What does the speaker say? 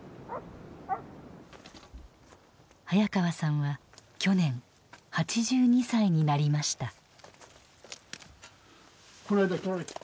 早川さんは去年８２歳になりました。